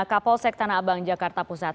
kapolsek tanah abang jakarta pusat